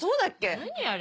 何あれ。